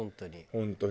本当に。